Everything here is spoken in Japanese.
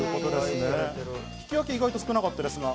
引き分けは意外と少なかったです。